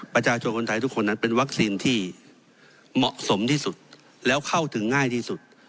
ประชาชนคนไทยทุกคนนั้นเป็นวัคซีนที่เหมาะสมที่สุดแล้วเข้าถึงง่ายที่สุด